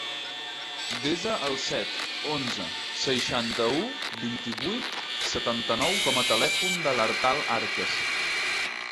Desa el set, onze, seixanta-u, vint-i-vuit, setanta-nou com a telèfon de l'Artal Arques.